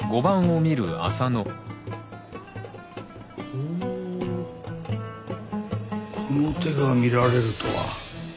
ほうこの手が見られるとは。